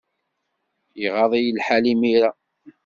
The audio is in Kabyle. Iɣaḍ-iyi lḥal imir-a.